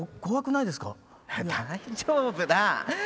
大丈夫だ。